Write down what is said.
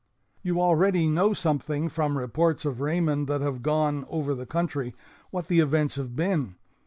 "You already know something, from reports of Raymond that have gone over the country, what the events have been.